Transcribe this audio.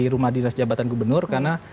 rumah dinas jabatan gubernur karena